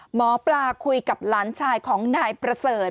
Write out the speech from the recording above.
หมอปลาคุยกับหลานชายของนายประเสริฐ